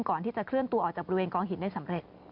ก่อนที่จะเคลื่อนตัวออกจากบริเวณกองหินได้สำเร็จ